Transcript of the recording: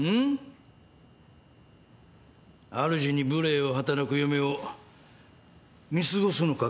あるじに無礼を働く嫁を見過ごすのか？